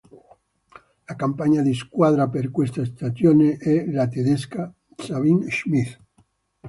La compagna di squadra, per questa stagione, è la tedesca Sabine Schmitz.